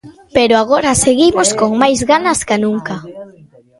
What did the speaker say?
Pero agora seguimos con máis ganas ca nunca.